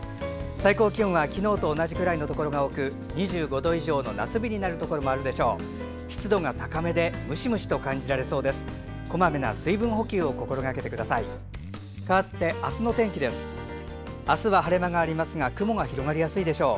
最高気温は昨日と同じところが多く２５度以上の夏日になるところもあるでしょう。